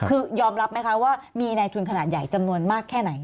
คือยอมรับไหมคะว่ามีในทุนขนาดใหญ่จำนวนมากแค่ไหน